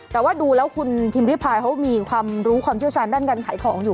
แต่ว่าดูแล้วคุณพิมพิพายเขามีความรู้ความเชี่ยวชาญด้านการขายของอยู่